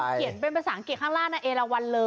เขียนเป็นภาษาอังกฤษข้างล่างนะเอละวันเลย